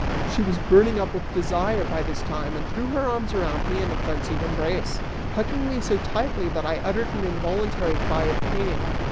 She was burning up with desire by this time, and threw her arms around me in a frenzied embrace, hugging me so tightly that I uttered an involuntary cry of pain.